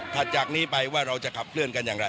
จากนี้ไปว่าเราจะขับเคลื่อนกันอย่างไร